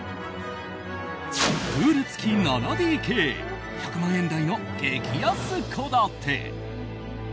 プール付き７ＤＫ１００万円台の激安戸建て。